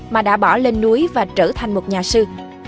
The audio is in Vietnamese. mà đã bỏ lên núi và trở thành một nhà sư